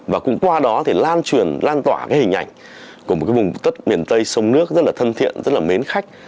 và cũng qua đó lan truyền lan tỏa hình ảnh của một vùng tất miền tây sông nước rất là thân thiện rất là mến khách